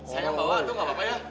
saya yang bawa itu nggak apa apa ya